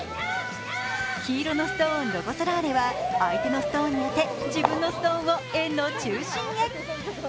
黄色のストーンロコ・ソラーレは相手のストーンに当て、自分のストーンを円の中心へ。